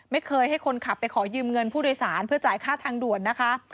ไม่เคยให้คนขับไปขอยืมเงินผู้โดยสารเพื่อจ่ายค่าทางด่วนนะคะ